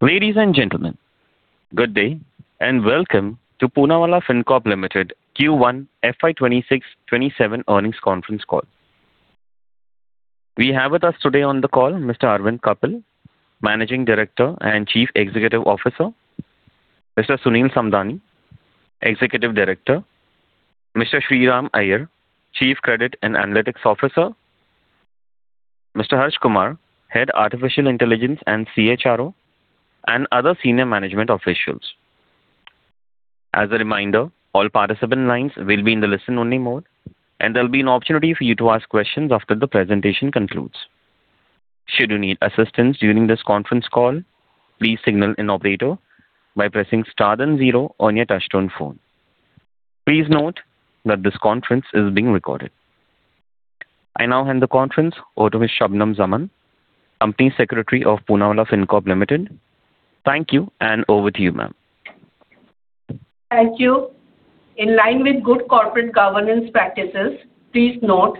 Ladies and gentlemen, good day and welcome to Poonawalla Fincorp Limited Q1 FY 2026-2027 earnings conference call. We have with us today on the call Mr. Arvind Kapil, Managing Director and Chief Executive Officer, Mr. Sunil Samdani, Executive Director, Mr. Shriram Iyer, Chief Credit and Analytics Officer, Mr. Harsh Kumar, Head Artificial Intelligence and CHRO, and other senior management officials. As a reminder, all participant lines will be in the listen-only mode, and there will be an opportunity for you to ask questions after the presentation concludes. Should you need assistance during this conference call, please signal an operator by pressing star then zero on your touch-tone phone. Please note that this conference is being recorded. I now hand the conference over to Shabnum Zaman, Company Secretary of Poonawalla Fincorp Limited. Thank you, and over to you, ma'am. Thank you. In line with good corporate governance practices, please note,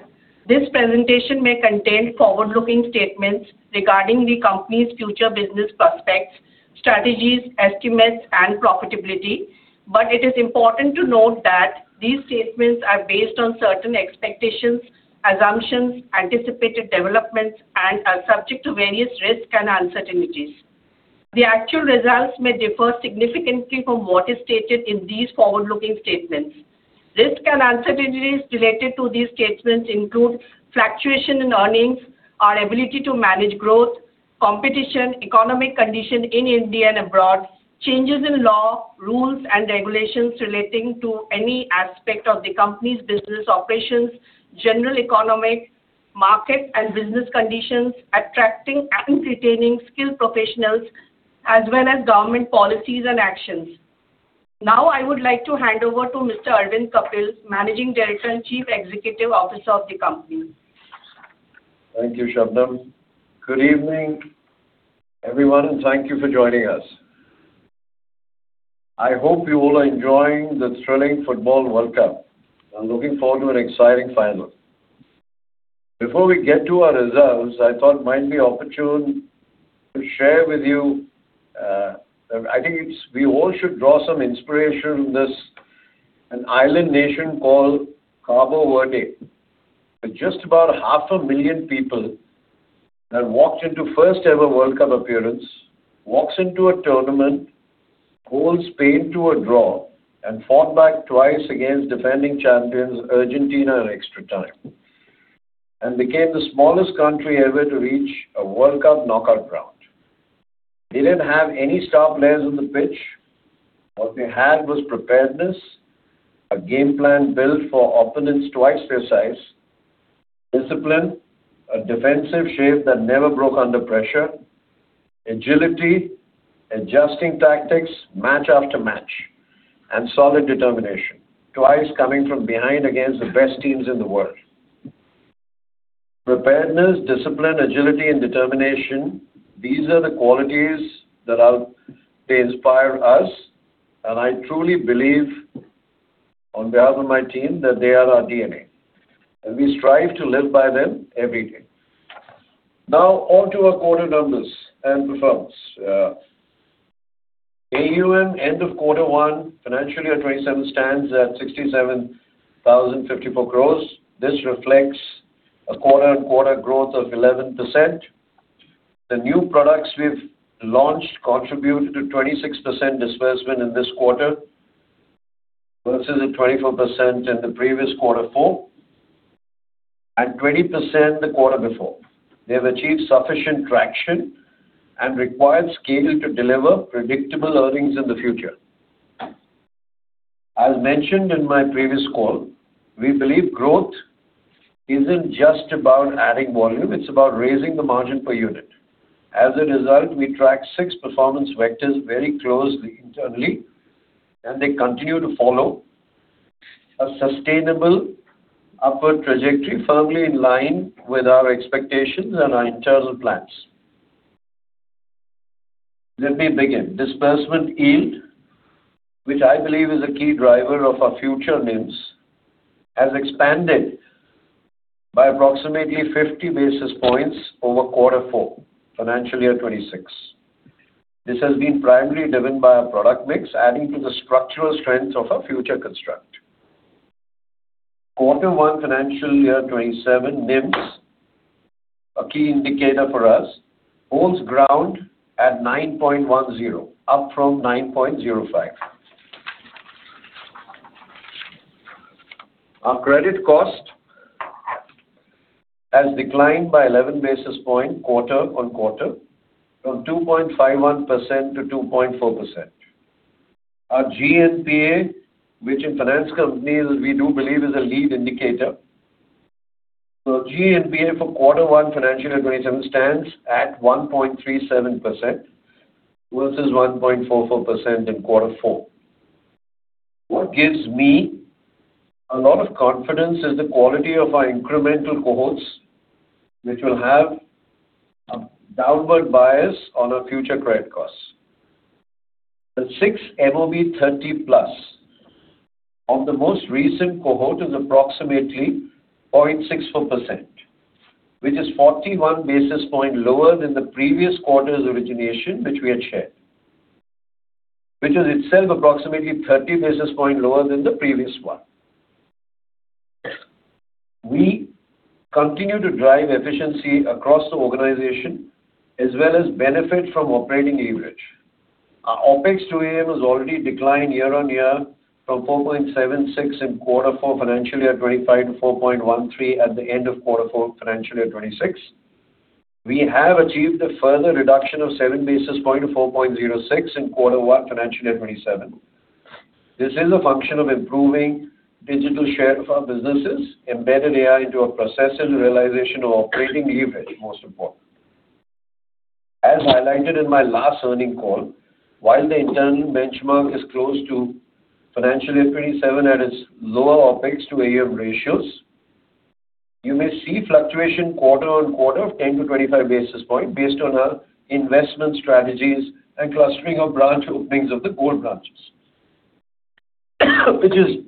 this presentation may contain forward-looking statements regarding the company's future business prospects, strategies, estimates, and profitability. It is important to note that these statements are based on certain expectations, assumptions, anticipated developments, and are subject to various risks and uncertainties. The actual results may differ significantly from what is stated in these forward-looking statements. Risks and uncertainties related to these statements include fluctuation in earnings, our ability to manage growth, competition, economic condition in India and abroad, changes in law, rules, and regulations relating to any aspect of the company's business operations, general economic market and business conditions, attracting and retaining skilled professionals, as well as government policies and actions. I would like to hand over to Mr. Arvind Kapil, Managing Director and Chief Executive Officer of the company. Thank you, Shabnum. Good evening, everyone, and thank you for joining us. I hope you all are enjoying the thrilling football World Cup. I am looking forward to an exciting final. Before we get to our results, I thought it might be opportune to share with you, I think we all should draw some inspiration from this, an island nation called Cabo Verde, with just about 500,000 people, that walked into first ever World Cup appearance, walks into a tournament, holds Spain to a draw, and fought back twice against defending champions, Argentina, in extra time. Became the smallest country ever to reach a World Cup knockout round. They did not have any star players on the pitch. What they had was preparedness, a game plan built for opponents twice their size, discipline, a defensive shape that never broke under pressure, agility, adjusting tactics match after match, and solid determination. Twice coming from behind against the best teams in the world. Preparedness, discipline, agility, and determination. These are the qualities that I hope may inspire us, and I truly believe on behalf of my team that they are our DNA, and we strive to live by them every day. On to our quarter numbers and performance. AUM end of Quarter One, financial year 2027 stands at 67,054 crore. This reflects a quarter-on-quarter growth of 11%. The new products we have launched contributed to 26% disbursement in this quarter versus the 24% in the previous quarter four, and 20% the quarter before. They have achieved sufficient traction and required scale to deliver predictable earnings in the future. As mentioned in my previous call, we believe growth isn't just about adding volume, it's about raising the margin per unit. As a result, we track six performance vectors very closely internally, and they continue to follow a sustainable upward trajectory firmly in line with our expectations and our internal plans. Let me begin. Disbursement yield, which I believe is a key driver of our future NIMs, has expanded by approximately 50 basis points over quarter four, financial year 2026. This has been primarily driven by our product mix, adding to the structural strength of our future construct. Quarter one, financial year 2027 NIMs, a key indicator for us, holds ground at 9.10% up from 9.05%. Our credit cost has declined by 11 basis points quarter-on-quarter from 2.51% to 2.4%. Our GNPA, which in finance companies we do believe is a lead indicator. GNPA for quarter one, financial year 2027 stands at 1.37% versus 1.44% in quarter four. What gives me a lot of confidence is the quality of our incremental cohorts, which will have a downward bias on our future credit costs. The 6MOB30+ of the most recent cohort is approximately 0.64%, which is 41 basis points lower than the previous quarter's origination, which we had shared, which was itself approximately 30 basis points lower than the previous one. We continue to drive efficiency across the organization as well as benefit from operating leverage. Our OpEx-to-AUM has already declined year-on-year from 4.76% in quarter four, financial year 2025 to 4.13% at the end of quarter four, financial year 2026. We have achieved a further reduction of 7 basis points to 4.06% in quarter one, financial year 2027. This is a function of improving digital share of our businesses, embedded AI into our processes, realization of operating leverage, most important. As highlighted in my last earning call, while the internal benchmark is close to financial year 2027 at its lower OpEx-to- AUM ratios, you may see fluctuation quarter-on-quarter of 10 basis points-25 basis points based on our investment strategies and clustering of branch openings of the core branches, which is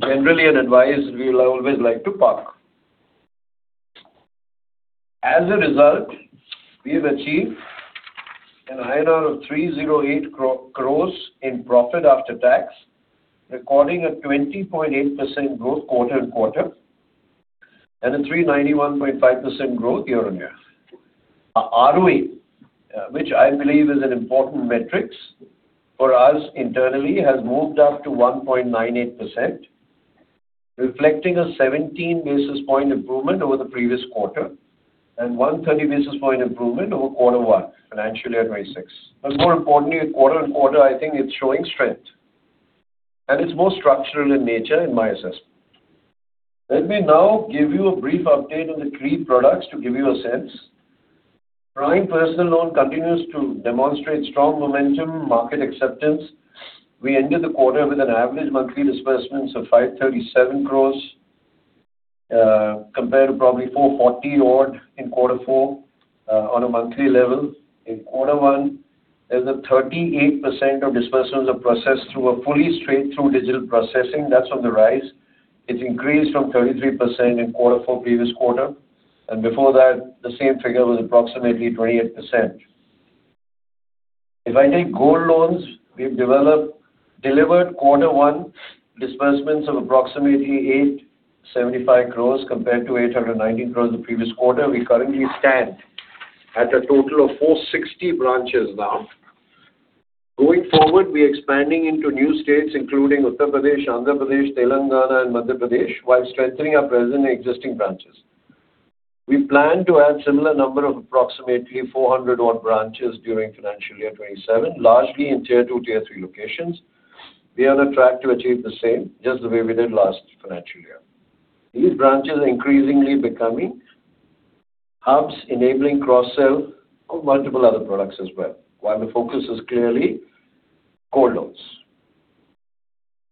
generally an advice we'll always like to park. As a result, we have achieved an [inaudible] of 308 crores INR in profit after tax, recording a 20.8% growth quarter-on-quarter and a 391.5% growth year-on-year. Our ROA, which I believe is an important metric for us internally, has moved up to 1.98%, reflecting a 17 basis points improvement over the previous quarter and 130 basis points improvement over quarter one, financial year 2026. More importantly, quarter-on-quarter, I think it's showing strength and it's more structural in nature, in my assessment. Let me now give you a brief update on the three products to give you a sense. Prime personal loan continues to demonstrate strong momentum, market acceptance. We ended the quarter with an average monthly disbursements of 537 crores, compared to probably 440 odd in quarter four on a monthly level. In quarter one, as a 38% of disbursements are processed through a fully straight-through digital processing, that's on the rise. It increased from 33% in quarter four, previous quarter, and before that, the same figure was approximately 28%. If I take Gold Loans, we've developed, delivered quarter one disbursements of approximately 875 crores compared to 890 crores the previous quarter. We currently stand at a total of 460 branches now. Going forward, we're expanding into new states including Uttar Pradesh, Andhra Pradesh, Telangana, and Madhya Pradesh, while strengthening our presence in existing branches. We plan to add similar number of approximately 400 odd branches during financial year 2027, largely in Tier 2, Tier 3 locations. We are on track to achieve the same, just the way we did last financial year. These branches are increasingly becoming hubs enabling cross-sell of multiple other products as well, while the focus is clearly Gold Loans.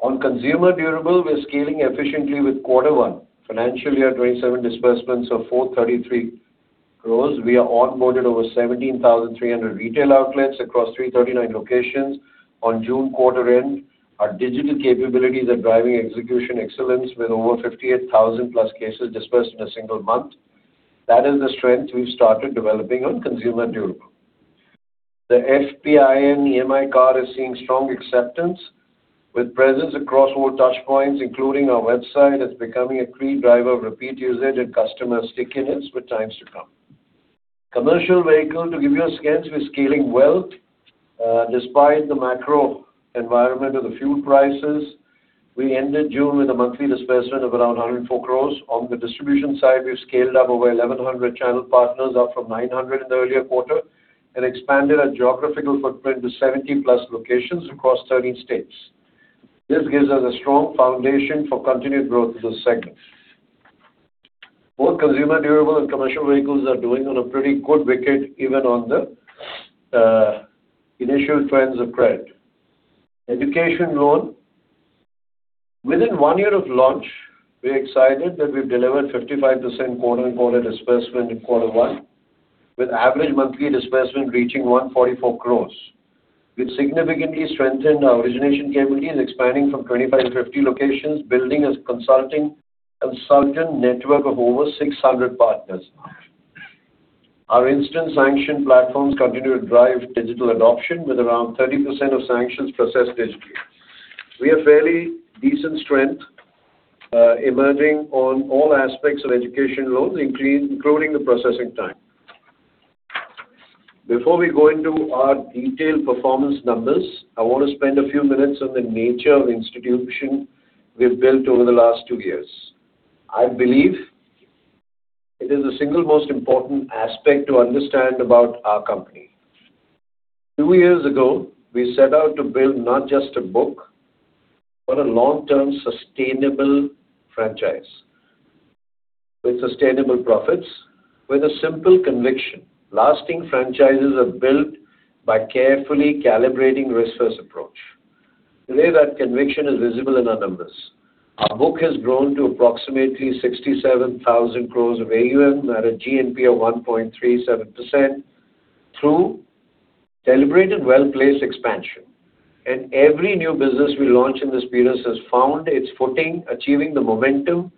On Consumer Durable, we're scaling efficiently with quarter one, financial year 2027 disbursements of 433 crore. We are onboarded over 17,300 retail outlets across 339 locations on June quarter-end. Our digital capabilities are driving execution excellence with over 58,000+ cases dispersed in a single month. That is the strength we've started developing on Consumer Durable. The FPI and EMI Card is seeing strong acceptance with presence across more touch points, including our website. It's becoming a key driver of repeat usage and customer stickiness for times to come. Commercial Vehicle, to give you a sense, we're scaling well, despite the macro environment of the fuel prices. We ended June with a monthly disbursement of around 104 crore. On the distribution side, we've scaled up over 1,100 channel partners, up from 900 in the earlier quarter, and expanded our geographical footprint to 70+ locations across 13 states. This gives us a strong foundation for continued growth in this segment. Both Consumer Durable and Commercial Vehicles are doing on a pretty good wicket even on the initial trends of credit. Education Loan. Within one year of launch, we're excited that we've delivered 55% quarter-on-quarter disbursement in quarter one, with average monthly disbursement reaching 144 crore. We've significantly strengthened our origination capabilities, expanding from 25 to 50 locations, building a consultant network of over 600 partners now. Our instant sanction platforms continue to drive digital adoption with around 30% of sanctions processed digitally. We have fairly decent strength emerging on all aspects of Education Loans, including the processing time. Before we go into our detailed performance numbers, I want to spend a few minutes on the nature of institution we've built over the last two years. I believe it is the single most important aspect to understand about our company. Two years ago, we set out to build not just a book, but a long-term sustainable franchise with sustainable profits, with a simple conviction. Lasting franchises are built by carefully calibrating risk first approach. Today that conviction is visible in our numbers. Our book has grown to approximately 67,000 crore of AUM at a GNPA of 1.37% through celebrated well-placed expansion. Every new business we launch in this business has found its footing, achieving the momentum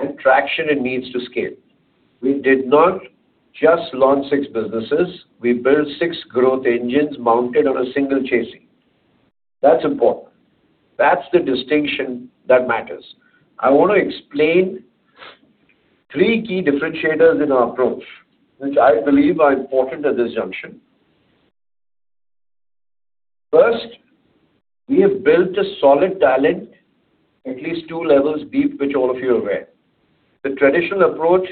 and traction it needs to scale. We did not just launch six businesses, we built six growth engines mounted on a single chassis. That's important. That's the distinction that matters. I want to explain three key differentiators in our approach, which I believe are important at this junction. First, we have built a solid talent at least two-levels deep, which all of you are aware. The traditional approach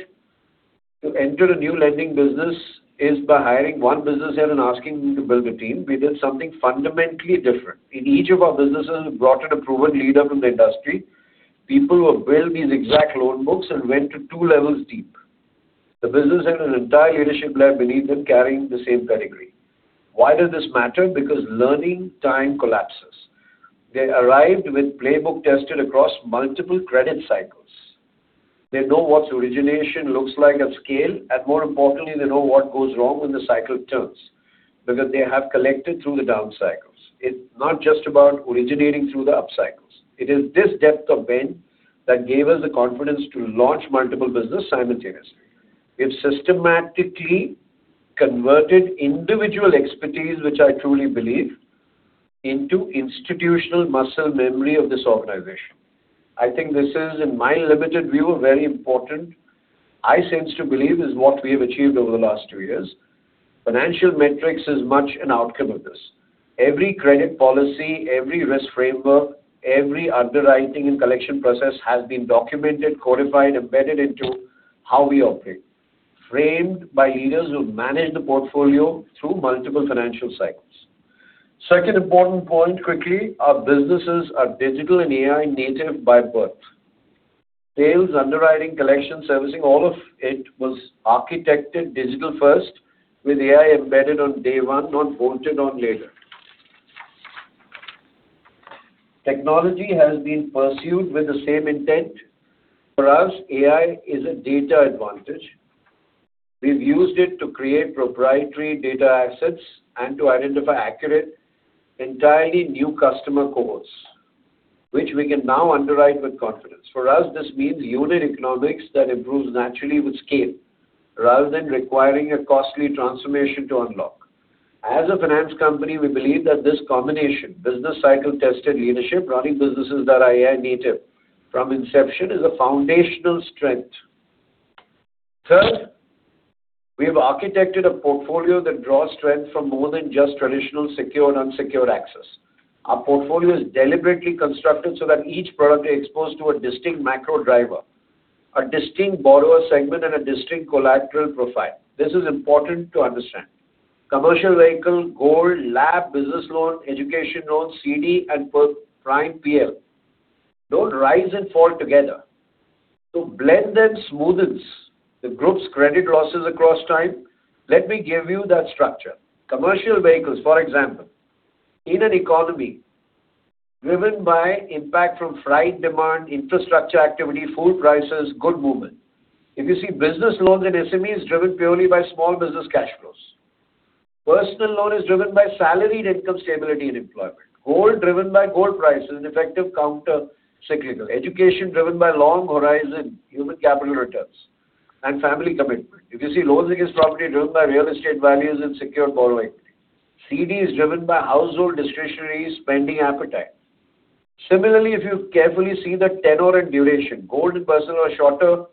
to enter a new lending business is by hiring one Business Head and asking them to build a team. We did something fundamentally different. In each of our businesses, we brought in a proven leader from the industry, people who have built these exact loan books and went to two-levels deep. The business had an entire leadership layer beneath them carrying the same pedigree. Why does this matter? Because learning time collapses. They arrived with playbook tested across multiple credit cycles. They know what origination looks like at scale, and more importantly, they know what goes wrong when the cycle turns because they have collected through the down-cycles. It's not just about originating through the up-cycles. It is this depth of bench that gave us the confidence to launch multiple business simultaneously. It systematically converted individual expertise, which I truly believe, into institutional muscle memory of this organization. I think this is, in my limited view, very important. I sense to believe is what we have achieved over the last two years. Financial metrics is much an outcome of this. Every credit policy, every risk framework, every underwriting and collection process has been documented, codified, embedded into how we operate, framed by leaders who've managed the portfolio through multiple financial cycles. Second important point, quickly, our businesses are digital and AI native by birth. Sales, underwriting, collection, servicing, all of it was architected digital first with AI embedded on day one, not bolted on later. Technology has been pursued with the same intent. For us, AI is a data advantage. We've used it to create proprietary data assets and to identify accurate, entirely new customer cohorts, which we can now underwrite with confidence. For us, this means unit economics that improves naturally with scale rather than requiring a costly transformation to unlock. As a finance company, we believe that this combination, business cycle-tested leadership running businesses that are AI native from inception, is a foundational strength. Third, we have architected a portfolio that draws strength from more than just traditional secure and unsecured access. Our portfolio is deliberately constructed so that each product is exposed to a distinct macro driver, a distinct borrower segment, and a distinct collateral profile. This is important to understand. Commercial vehicle, gold, LAP, business Loan, education Loan, CD, and Prime PL don't rise and fall together. To blend them smoothens the group's credit losses across time. Let me give you that structure. Commercial vehicles, for example. In an economy driven by impact from freight demand, infrastructure activity, food prices, good movement. If you see business loans and SMEs driven purely by small business cash flows. Personal loan is driven by salaried income stability and employment. Gold, driven by gold prices, an effective counter cyclical. Education, driven by long horizon human capital returns and family commitment. If you see Loan Against Property driven by real estate values and secured borrowing. CD is driven by household discretionary spending appetite. Similarly, if you carefully see the tenor and duration, gold and personal are shorter,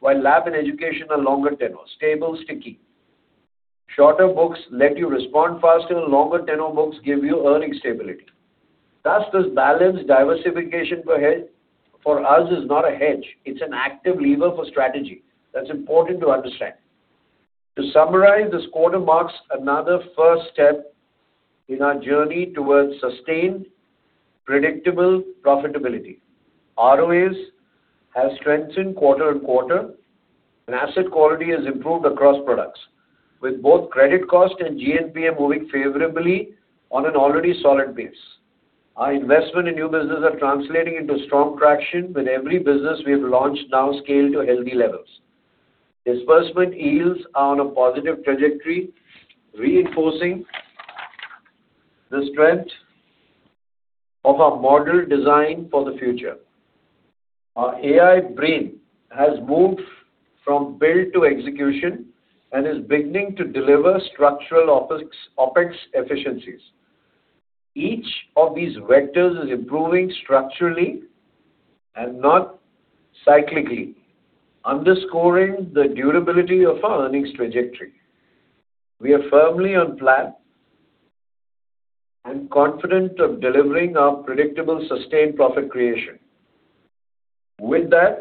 while LAP and education are longer tenor. Stable, sticky. Shorter books let you respond faster and longer tenor books give you earning stability. Thus, this balanced diversification for us is not a hedge. It's an active lever for strategy. That's important to understand. To summarize, this quarter marks another first step in our journey towards sustained, predictable profitability. ROAs have strengthened quarter and quarter, and asset quality has improved across products, with both credit cost and GNPA moving favorably on an already solid base. Our investments in new businesses are translating into strong traction with every business we have launched now scaled to healthy levels. Disbursement yields are on a positive trajectory, reinforcing the strength of our model design for the future. Our AI brain has moved from build to execution and is beginning to deliver structural OpEx efficiencies. Each of these vectors is improving structurally and not cyclically, underscoring the durability of our earnings trajectory. We are firmly on plan and confident of delivering our predictable, sustained profit creation. With that,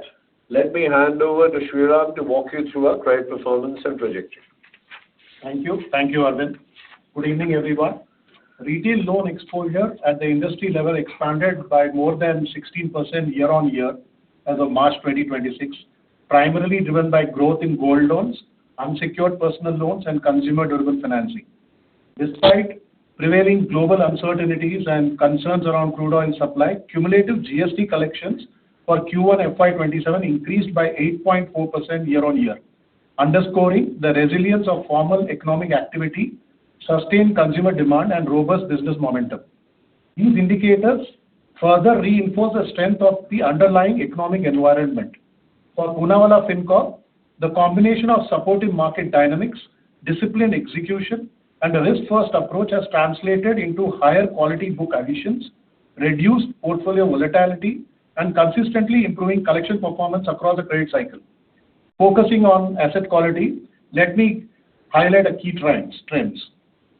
let me hand over to Shriram to walk you through our credit performance and trajectory. Thank you. Thank you, Arvind. Good evening, everyone. Retail loan exposure at the industry level expanded by more than 16% year-on-year as of March 2026. Primarily driven by growth in gold loans, unsecured personal loans, and consumer durable loan financing. Despite prevailing global uncertainties and concerns around crude oil supply, cumulative GST collections for Q1 FY 2027 increased by 8.4% year-over-year, underscoring the resilience of formal economic activity, sustained consumer demand, and robust business momentum. These indicators further reinforce the strength of the underlying economic environment. For Poonawalla Fincorp, the combination of supportive market dynamics, disciplined execution, and a risk-first approach has translated into higher quality book additions, reduced portfolio volatility, and consistently improving collection performance across the credit cycle. Focusing on asset quality, let me highlight the key trends.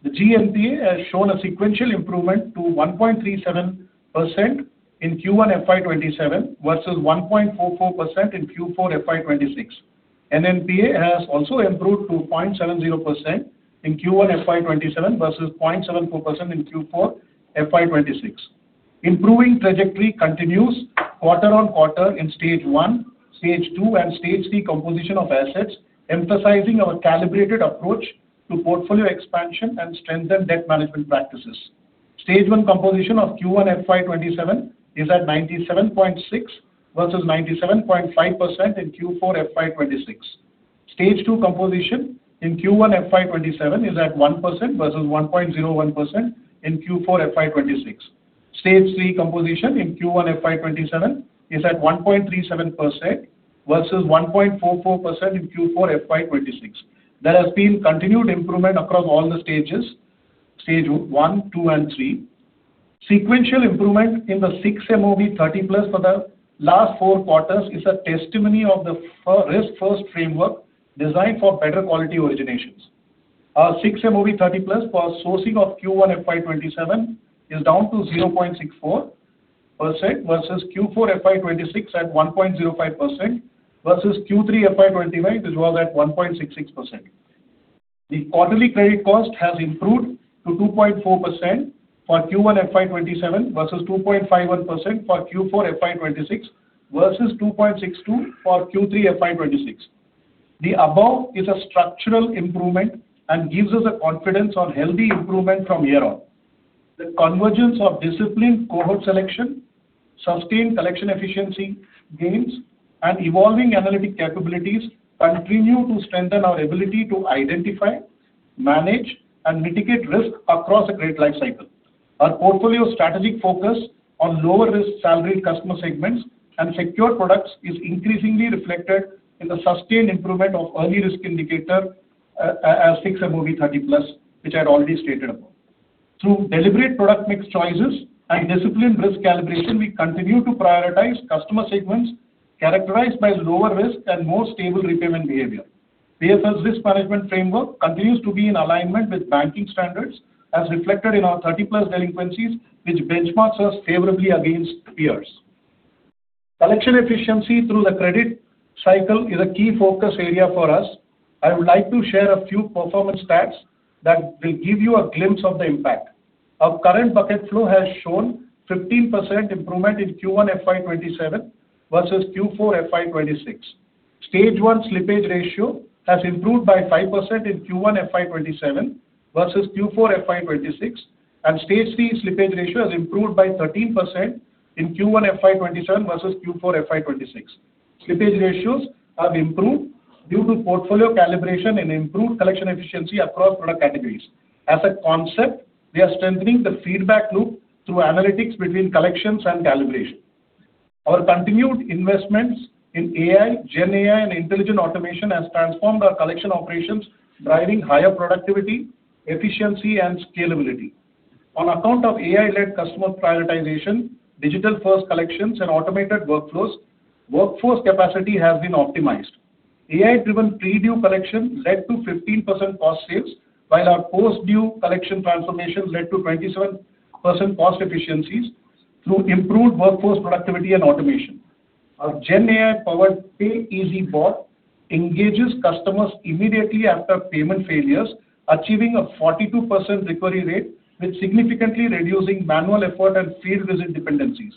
The GNPA has shown a sequential improvement to 1.37% in Q1 FY 2027 versus 1.44% in Q4 FY 2026. NNPA has also improved to 0.70% in Q1 FY 2027 versus 0.74% in Q4 FY 2026. Improving trajectory continues quarter-over-quarter in Stage 1, Stage 2, and Stage 3 composition of assets, emphasizing our calibrated approach to portfolio expansion and strengthened debt management practices. Stage 1 composition of Q1 FY 2027 is at 97.6% versus 97.5% in Q4 FY 2026. Stage 2 composition in Q1 FY 2027 is at 1% versus 1.01% in Q4 FY 2026. Stage 3 composition in Q1 FY 2027 is at 1.37% versus 1.44% in Q4 FY 2026. There has been continued improvement across all the stages, Stage 1, 2, and 3. Sequential improvement in the 6MOB30+ for the last four quarters is a testimony of the risk-first framework designed for better quality originations. Our 6MOB30+ for sourcing of Q1 FY 2027 is down to 0.64% versus Q4 FY 2026 at 1.05%, versus Q3 FY 2026 as well at 1.66%. The quarterly credit cost has improved to 2.4% for Q1 FY 2027 versus 2.51% for Q4 FY 2026 versus 2.62% for Q3 FY 2026. The above is a structural improvement and gives us the confidence on healthy improvement from here on. The convergence of disciplined cohort selection, sustained collection efficiency gains, and evolving analytic capabilities continue to strengthen our ability to identify, manage, and mitigate risk across the credit life cycle. Our portfolio strategic focus on lower risk salaried customer segments and secured products is increasingly reflected in the sustained improvement of early risk indicator as 6MOB30+, which I'd already stated about. Through deliberate product mix choices and disciplined risk calibration, we continue to prioritize customer segments characterized by lower risk and more stable repayment behavior. PFL's risk management framework continues to be in alignment with banking standards, as reflected in our 30+ delinquencies, which benchmarks us favorably against peers. Collection efficiency through the credit cycle is a key focus area for us. I would like to share a few performance stats that will give you a glimpse of the impact. Our current bucket flow has shown 15% improvement in Q1 FY 2027 versus Q4 FY 2026. Stage 1 slippage ratio has improved by 5% in Q1 FY 2027 versus Q4 FY 2026, and Stage 3 slippage ratio has improved by 13% in Q1 FY 2027 versus Q4 FY 2026. Slippage ratios have improved due to portfolio calibration and improved collection efficiency across product categories. As a concept, we are strengthening the feedback loop through analytics between collections and calibration. Our continued investments in AI, GenAI, and intelligent automation has transformed our collection operations, driving higher productivity, efficiency, and scalability. On account of AI-led customer prioritization, digital-first collections, and automated workflows, workforce capacity has been optimized. AI-driven pre-due collection led to 15% cost saves, while our post-due collection transformations led to 27% cost efficiencies through improved workforce productivity and automation. Our GenAI-powered Pay Easy bot engages customers immediately after payment failures, achieving a 42% recovery rate, with significantly reducing manual effort and field visit dependencies.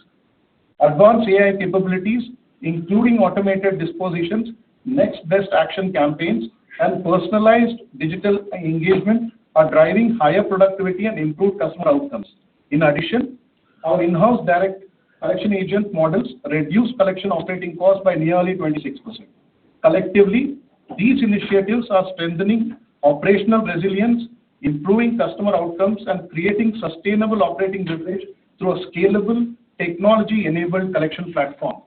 Advanced AI capabilities, including automated dispositions, next best action campaigns, and personalized digital engagement are driving higher productivity and improved customer outcomes. In addition, our in-house direct collection agent models reduce collection operating costs by nearly 26%. Collectively, these initiatives are strengthening operational resilience, improving customer outcomes, and creating sustainable operating leverage through a scalable technology-enabled collection platform.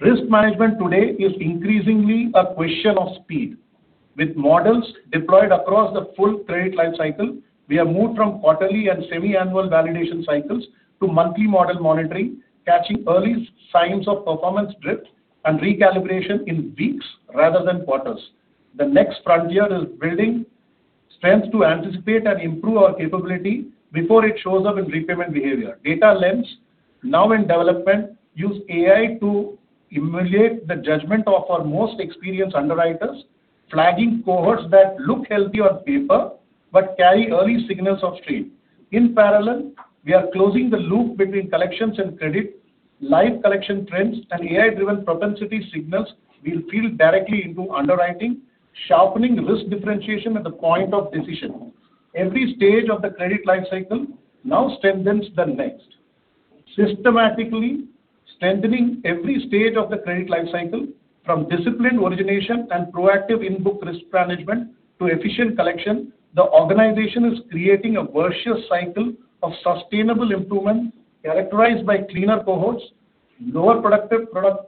Risk management today is increasingly a question of speed. With models deployed across the full credit life cycle, we have moved from quarterly and semi-annual validation cycles to monthly model monitoring, catching early signs of performance drift and recalibration in weeks rather than quarters. The next frontier is building strengths to anticipate and improve our capability before it shows up in repayment behavior. DataLens, now in development, use AI to emulate the judgment of our most experienced underwriters, flagging cohorts that look healthy on paper but carry early signals of strain. In parallel, we are closing the loop between collections and credit. Live collection trends and AI-driven propensity signals will feed directly into underwriting, sharpening risk differentiation at the point of decision. Every stage of the credit life cycle now strengthens the next. Systematically strengthening every stage of the credit life cycle, from disciplined origination and proactive in-book risk management to efficient collection, the organization is creating a virtuous cycle of sustainable improvement characterized by cleaner cohorts, lower product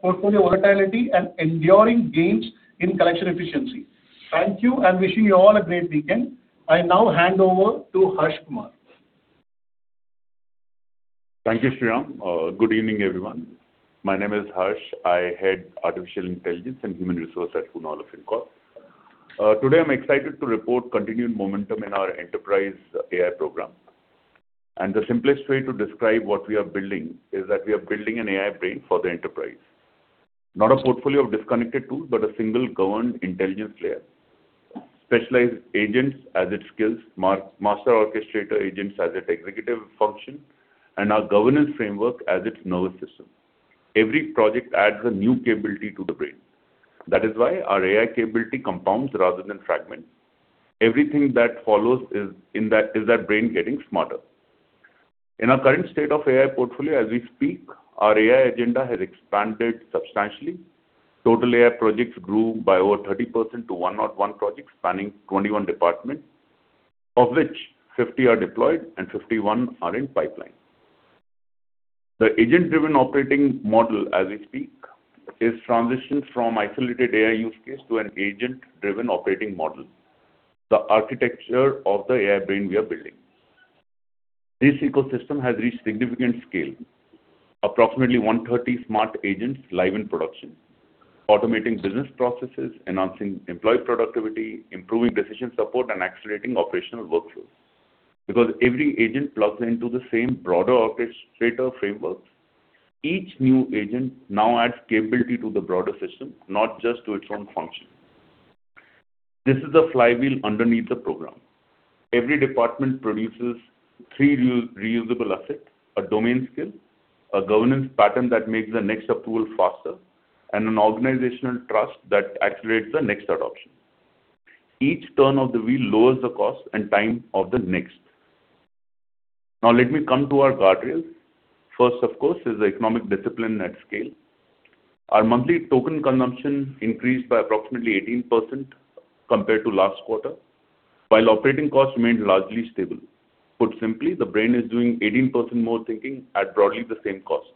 portfolio volatility, and enduring gains in collection efficiency. Thank you, and wishing you all a great weekend. I now hand over to Harsh Kumar. Thank you, Shriram. Good evening, everyone. My name is Harsh. I head artificial intelligence and human resource at Poonawalla Fincorp. Today, I'm excited to report continued momentum in our enterprise AI program. The simplest way to describe what we are building is that we are building an AI brain for the enterprise. Not a portfolio of disconnected tools, but a single governed intelligence layer. Specialized agents as its skills, master orchestrator agents as its executive function, and our governance framework as its nervous system. Every project adds a new capability to the brain. That is why our AI capability compounds rather than fragments. Everything that follows is that brain getting smarter. In our current state of AI portfolio, as we speak, our AI agenda has expanded substantially. Total AI projects grew by over 30% to 101 projects spanning 21 departments. Of which, 50 are deployed and 51 are in pipeline. The agent-driven operating model, as we speak, is transitioned from isolated AI use case to an agent-driven operating model. The architecture of the AI brain we are building. This ecosystem has reached significant scale. Approximately 130 smart agents live in production, automating business processes, enhancing employee productivity, improving decision support, and accelerating operational workflows. Because every agent plugs into the same broader orchestrator framework, each new agent now adds capability to the broader system, not just to its own function. This is the flywheel underneath the program. Every department produces three reusable assets: a domain skill, a governance pattern that makes the next up tool faster, and an organizational trust that accelerates the next adoption. Each turn of the wheel lowers the cost and time of the next. Let me come to our guardrails. First, of course, is the economic discipline at scale. Our monthly token consumption increased by approximately 18% compared to last quarter, while operating costs remained largely stable. Put simply, the brain is doing 18% more thinking at broadly the same cost.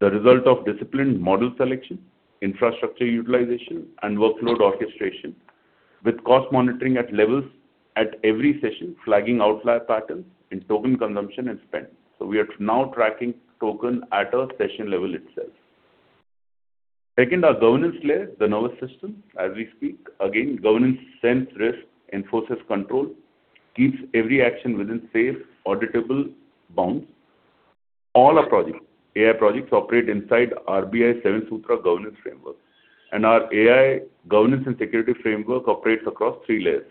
The result of disciplined model selection, infrastructure utilization, and workload orchestration. With cost monitoring at levels at every session, flagging outlier patterns in token consumption and spend. We are now tracking token at a session level itself. Second, our governance layer, the nervous system. As we speak, again, governance sense risk, enforces control, keeps every action within safe, auditable bounds. All our AI projects operate inside RBI 7 sutra governance framework, and our AI governance and security framework operates across three layers.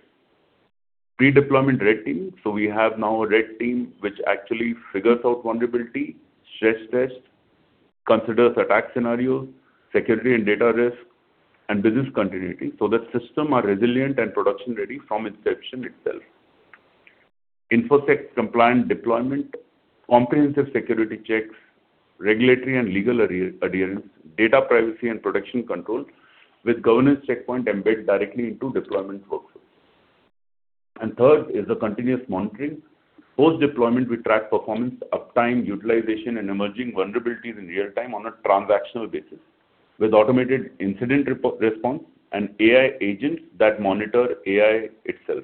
Pre-deployment red team. We have now a red team which actually figures out vulnerability, stress tests, considers attack scenarios, security and data risk, and business continuity, so that systems are resilient and production-ready from inception itself. InfoSec compliant deployment, comprehensive security checks, regulatory and legal adherence, data privacy and production controls with governance checkpoint embedded directly into deployment workflows. Third is the continuous monitoring. Post-deployment, we track performance, uptime, utilization, and emerging vulnerabilities in real time on a transactional basis, with automated incident response and AI agents that monitor AI itself.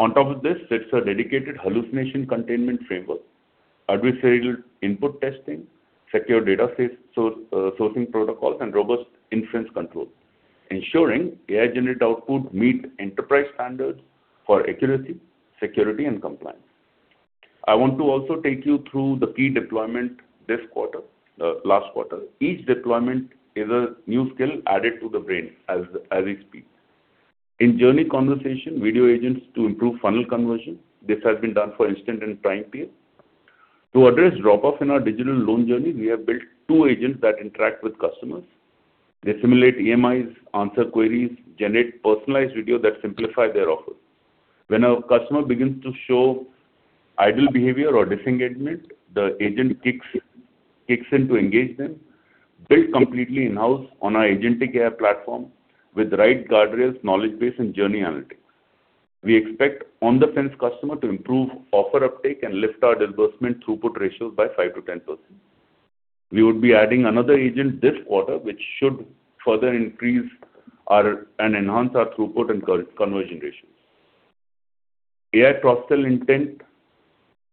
On top of this sits a dedicated hallucination containment framework, adversarial input testing, secure data sourcing protocols, and robust inference control, ensuring AI-generated output meet enterprise standards for accuracy, security, and compliance. I want to also take you through the key deployments last quarter. Each deployment is a new skill added to the brain as we speak. In journey conversation, video agents to improve funnel conversion. This has been done for Instant PL and Prime PL. To address drop-off in our digital loan journey, we have built two agents that interact with customers. They simulate EMIs, answer queries, generate personalized video that simplify their offers. When a customer begins to show idle behavior or disengagement, the agent kicks in to engage them, built completely in-house on our agentic AI platform with the right guardrails, knowledge base, and journey analytics. We expect on-the-fence customer to improve offer uptake and lift our disbursement throughput ratios by 5%-10%. We would be adding another agent this quarter, which should further increase and enhance our throughput and conversion ratios. AI-processed intent.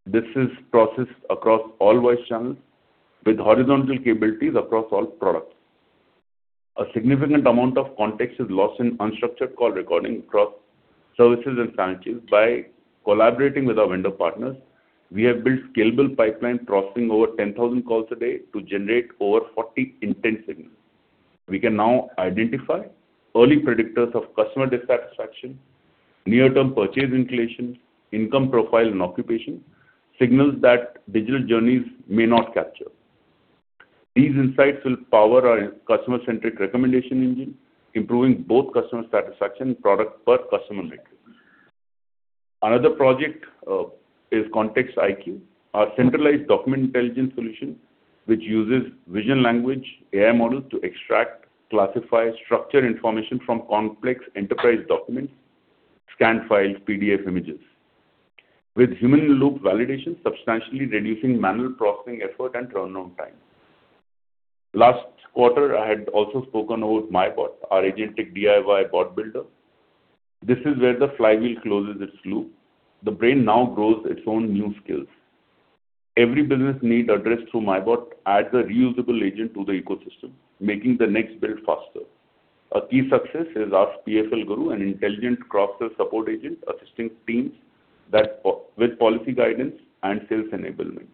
This is processed across all voice channels with horizontal capabilities across all products. A significant amount of context is lost in unstructured call recording across services and franchises. By collaborating with our vendor partners, we have built scalable pipeline processing over 10,000 calls a day to generate over 40 intent signals. We can now identify early predictors of customer dissatisfaction, near-term purchase inclination, income profile, and occupation, signals that digital journeys may not capture. These insights will power our customer-centric recommendation engine, improving both customer satisfaction and product per customer metrics. Another project is Context IQ, our centralized document intelligence solution, which uses vision language AI models to extract, classify, structure information from complex enterprise documents, scanned files, PDF images. With human-in-the-loop validation, substantially reducing manual processing effort and turnaround time. Last quarter, I had also spoken about MyBot, our agentic DIY bot builder. This is where the flywheel closes its loop. The brain now grows its own new skills. Every business need addressed through MyBot adds a reusable agent to the ecosystem, making the next build faster. A key success is Ask PFL Guru, an intelligent cross-sell support agent assisting teams with policy guidance and sales enablement.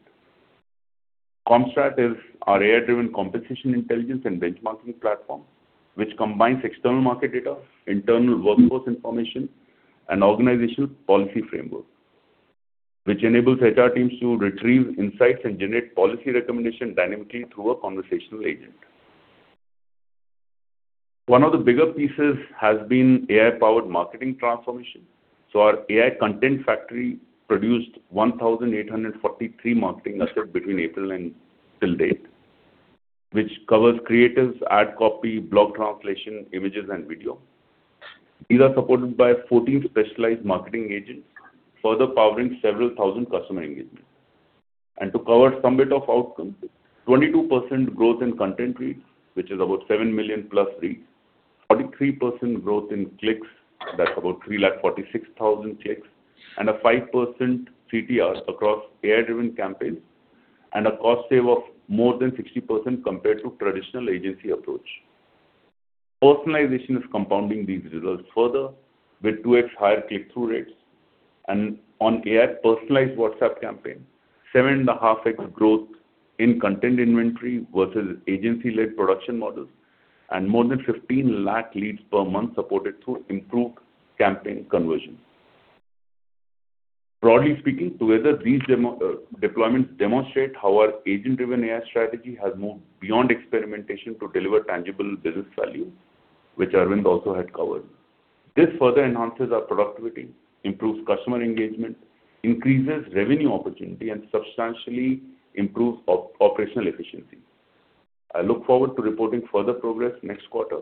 CompStrat is our AI-driven competition intelligence and benchmarking platform, which combines external market data, internal workforce information, and organizational policy framework. Which enables HR teams to retrieve insights and generate policy recommendation dynamically through a conversational agent. One of the bigger pieces has been AI-powered marketing transformation. Our AI content factory produced 1,843 marketing assets between April and till date. Which covers creatives, ad copy, blog translation, images, and video. These are supported by 14 specialized marketing agents, further powering several thousand customer engagements. To cover some bit of outcomes, 22% growth in content reads, which is about 7 million+ reads, 43% growth in clicks, that's about 346,000 clicks, and a 5% CTR across AI-driven campaigns, and a cost save of more than 60% compared to traditional agency approach. Personalization is compounding these results further with 2x higher click-through rates and on AI-personalized WhatsApp campaign, 7.5x growth in content inventory versus agency-led production models, and more than 15 lakh leads per month supported through improved campaign conversion. Broadly speaking, together these deployments demonstrate how our agent-driven AI strategy has moved beyond experimentation to deliver tangible business value, which Arvind also had covered. This further enhances our productivity, improves customer engagement, increases revenue opportunity, and substantially improves operational efficiency. I look forward to reporting further progress next quarter,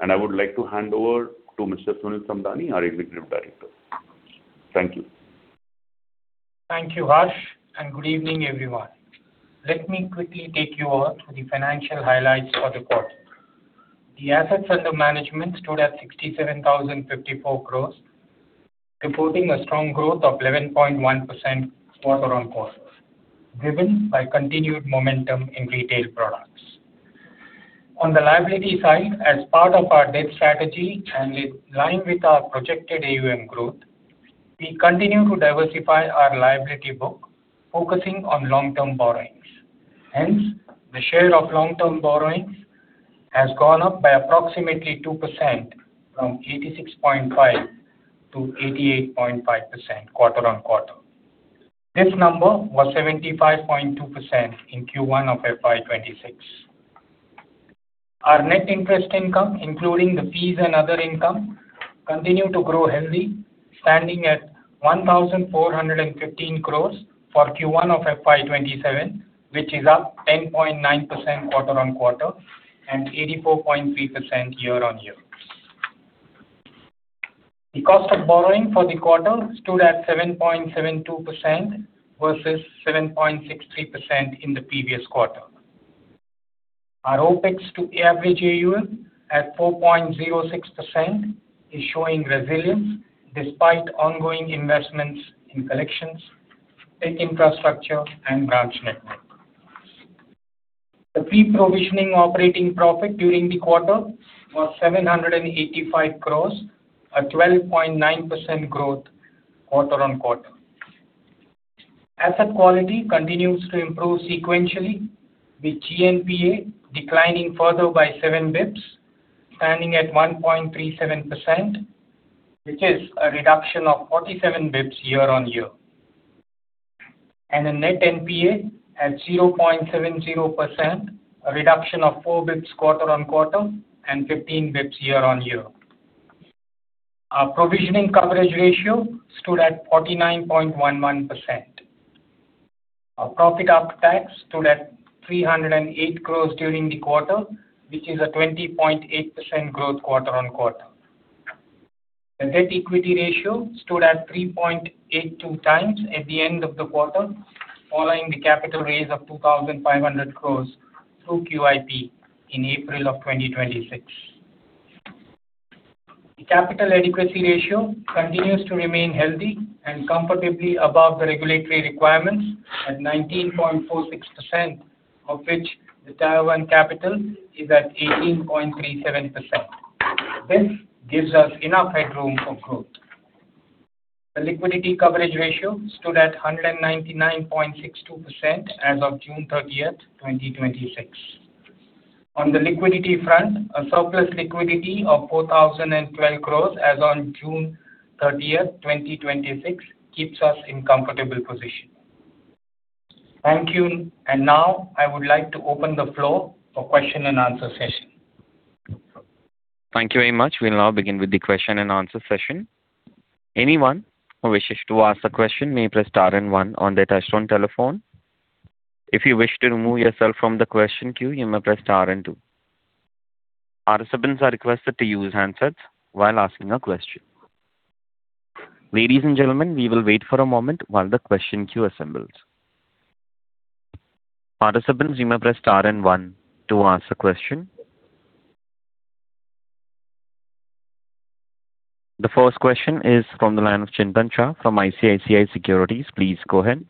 and I would like to hand over to Mr. Sunil Samdani, our Executive Director. Thank you. Thank you, Harsh, and good evening, everyone. Let me quickly take you all through the financial highlights for the quarter. The assets under management stood at 67,054 crore, reporting a strong growth of 11.1% quarter-on-quarter, driven by continued momentum in retail products. On the liability side, as part of our debt strategy and in-line with our projected AUM growth, we continue to diversify our liability book, focusing on long-term borrowings. Hence, the share of long-term borrowings has gone up by approximately 2%, from 86.5%-88.5% quarter-on-quarter. This number was 75.2% in Q1 of FY 2026. Our net interest income, including the fees and other income, continued to grow healthy, standing at 1,415 crore for Q1 of FY 2027, which is up 10.9% quarter-on-quarter and 84.3% year-on-year. The cost of borrowing for the quarter stood at 7.72% versus 7.63% in the previous quarter. Our OpEx-to-average AUM at 4.06% is showing resilience despite ongoing investments in collections, tech infrastructure, and branch network. The pre-provisioning operating profit during the quarter was 785 crore, a 12.9% growth quarter-on-quarter. Asset quality continues to improve sequentially with GNPA declining further by 7 basis points, standing at 1.37%, which is a reduction of 47 basis points year-on-year. The net NPA at 0.70%, a reduction of 4 basis points quarter-on-quarter and 15 basis points year-on-year. Our provisioning coverage ratio stood at 49.11%. Our profit after tax stood at 308 crore during the quarter, which is a 20.8% growth quarter-on-quarter. The net equity ratio stood at 3.82x at the end of the quarter following the capital raise of 2,500 crore through QIP in April of 2026. The capital adequacy ratio continues to remain healthy and comfortably above the regulatory requirements at 19.46%, of which the Tier 1 capital is at 18.37%. This gives us enough headroom for growth. The liquidity coverage ratio stood at 199.62% as of June 30th, 2026. On the liquidity front, a surplus liquidity of 4,012 crore as on June 30th 2026, keeps us in comfortable position. Thank you. Now I would like to open the floor for question-and-answer session. Thank you very much. We'll now begin with the question-and-answer session. Anyone who wishes to ask a question may press star and one on their touch-tone telephone. If you wish to remove yourself from the question queue, you may press star and two. Participants are requested to use handsets while asking a question. Ladies and gentlemen, we will wait for a moment while the question queue assembles. Participants, you may press star and one to ask the question. The first question is from the line of Chintan Shah from ICICI Securities. Please go ahead.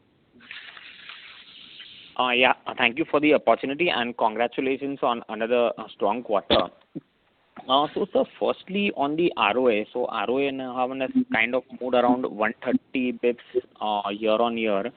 Thank you for the opportunity, and congratulations on another strong quarter. Sir, firstly on the ROA. ROA now has kind of moved around 130 basis points year-on-year.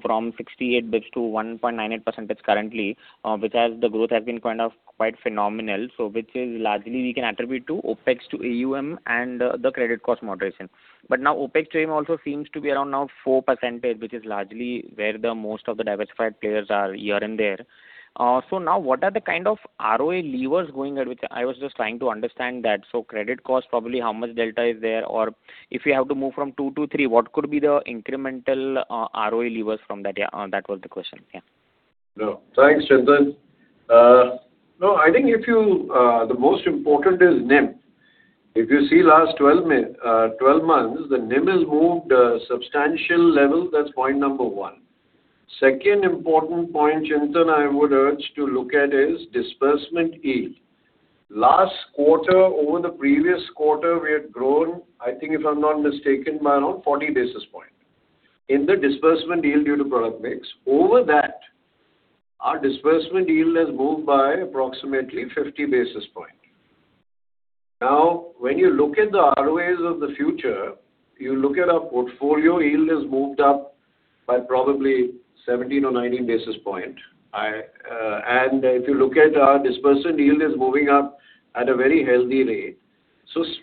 From 68 basis points to 1.98% currently, which has the growth has been kind of quite phenomenal. Which is largely we can attribute to OpEx-to-AUM and the credit cost moderation. Now OpEx-to-AUM also seems to be around now 4%, which is largely where most of the diversified players are, here and there. Now what are the kind of ROA levers going ahead, which I was just trying to understand that. Credit cost probably how much delta is there? If we have to move from two to three, what could be the incremental ROA levers from that? Yeah. That was the question. Yeah. No, thanks, Chintan. I think the most important is NIM. If you see last 12 months, the NIM has moved a substantial level. That's point number one. Second important point, Chintan, I would urge to look at is disbursement yield. Last quarter, over the previous quarter, we had grown, I think if I'm not mistaken, by around 40 basis points in the disbursement yield due to product mix. Over that, our disbursement yield has moved by approximately 50 basis points. Now, when you look at the ROAs of the future, you look at our portfolio yield has moved up by probably 70 or 90 basis points. If you look at our disbursement yield is moving up at a very healthy rate.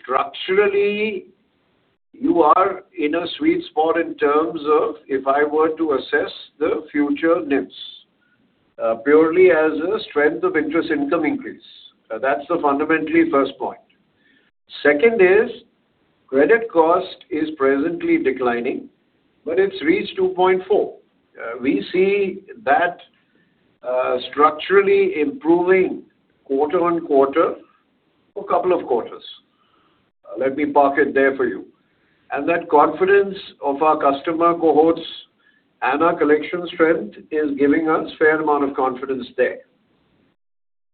Structurally, you are in a sweet spot in terms of, if I were to assess the future NIMs, purely as a strength of interest income increase. That's the fundamentally first point. Second is, credit cost is presently declining, but it's reached 2.4%. We see that structurally improving quarter-on-quarter for a couple of quarters. Let me park it there for you. That confidence of our customer cohorts and our collection strength is giving us fair amount of confidence there.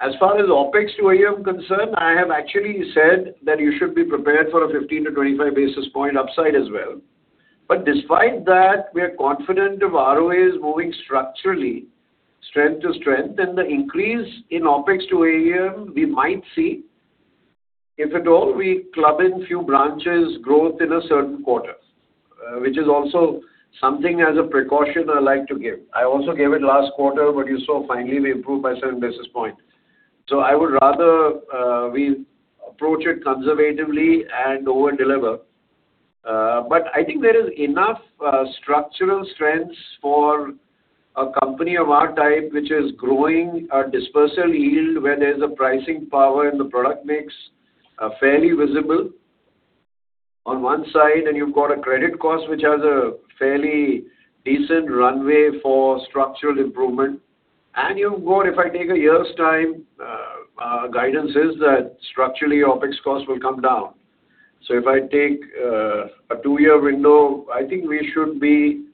As far as OpEx-to-AUM concerned, I have actually said that you should be prepared for a 15 to 25 basis point upside as well. Despite that, we are confident if ROA is moving structurally strength to strength and the increase in OpEx-to-AUM, we might see if at all we club in few branches growth in a certain quarter, which is also something as a precaution I like to give. I also gave it last quarter, you saw finally we improved by certain basis points. I would rather we approach it conservatively and over-deliver. I think there is enough structural strengths for a company of our type, which is growing our disbursal yield where there's a pricing power in the product mix, fairly visible on one side, and you've got a credit cost which has a fairly decent runway for structural improvement. You've got, if I take a year's time, our guidance is that structurally, OpEx cost will come down. If I take a two-year window, I think we should be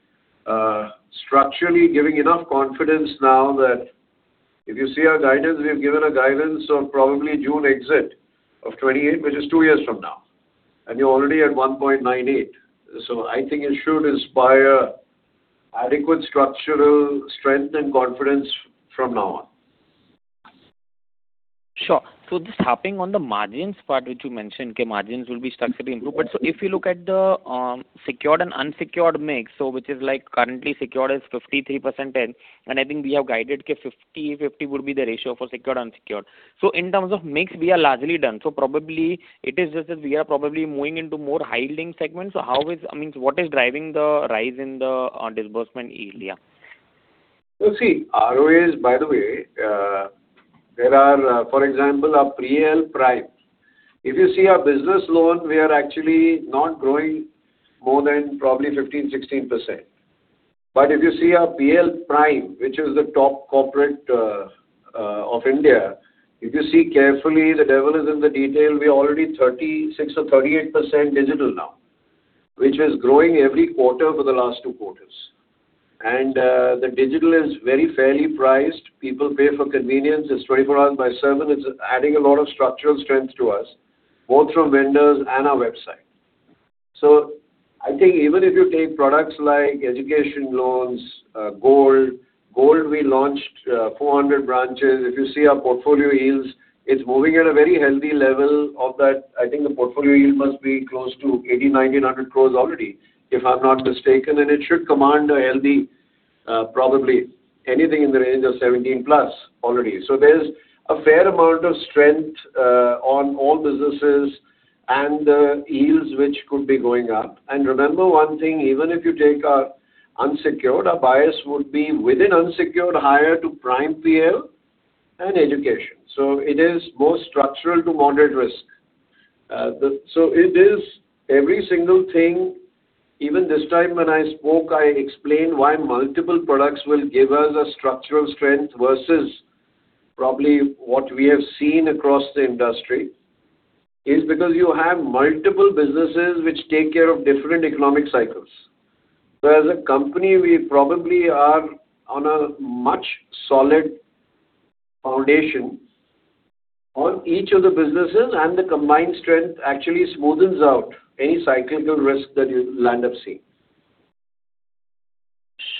structurally giving enough confidence now that if you see our guidance, we have given a guidance of probably June exit of 2028, which is two years from now, and you're already at 1.98%. I think it should inspire adequate structural strength and confidence from now on. Sure. Just harping on the margins part, which you mentioned, that margins will be structurally improved. If you look at the secured and unsecured mix, which is like currently secured is 53%. I think we have guided that 50/50 would be the ratio for secured/unsecured. In terms of mix, we are largely done. Probably it is just that we are probably moving into more high-yielding segments. What is driving the rise in the disbursement yield? Yeah. You see, ROAs, by the way, there are, for example, our PL Prime. If you see our business loan, we are actually not growing more than probably 15%-16%. If you see our PL Prime, which is the top corporate of India. If you see carefully, the devil is in the detail, we're already 36% or 38% digital now, which is growing every quarter for the last two quarters. The digital is very fairly priced. People pay for convenience. It's 24/7. It's adding a lot of structural strength to us, both from vendors and our website. I think even if you take products like education loan, gold loan, we launched 400 branches. If you see our portfolio yields, it's moving at a very healthy level of that. I think the portfolio yield must be close to 80 crore-90 crore-INR 100 crore already, if I'm not mistaken, and it should command a healthy, probably anything in the range of 17%+ already. There's a fair amount of strength on all businesses and yields which could be going up. Remember one thing, even if you take our unsecured, our bias would be within unsecured higher to Prime PL and education. It is more structural- to moderate-risk. It is every single thing. Even this time when I spoke, I explained why multiple products will give us a structural strength versus probably what we have seen across the industry, is because you have multiple businesses which take care of different economic cycles. As a company, we probably are on a much solid foundation on each of the businesses, and the combined strength actually smoothens out any cyclical risk that you'll end up seeing.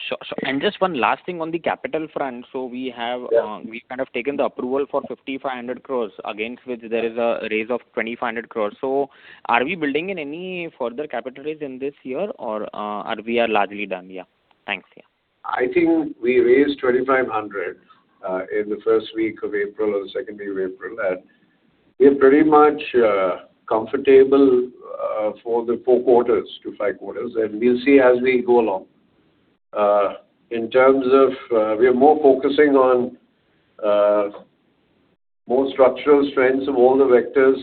Sure. Just one last thing on the capital front. Yeah. We kind of taken the approval for 5,500 crores against which there is a raise of 2,500 crores. Are we building in any further capital raise in this year or we are largely done? Yeah. Thanks. I think we raised 2,500 crores in the first week of April or second week of April, and we're pretty much comfortable for the four quarters to five quarters, and we'll see as we go along. In terms of, we are more focusing on more structural strengths of all the vectors,